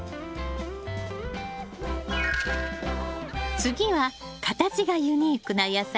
次は形がユニークな野菜コールラビ。